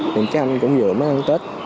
nhưng cái anh cũng vừa mới ăn tết